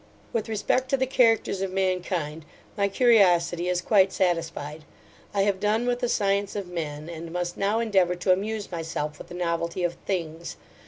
With respect to the characters of mankind, my curiosity is quite satisfied: I have done with the science of men, and must now endeavour to amuse myself with the novelty of things.